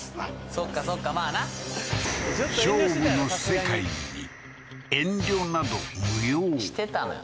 そっかそっかまあな勝負の世界に遠慮など無用してたのよ